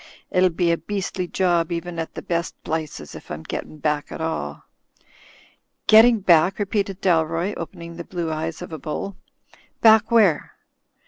"It'll be a beastly job even at the best plices, if I'm gettin' back at all." "Getting back," repeated Dalroy, opening the blue eyes of a bull. "Back where?"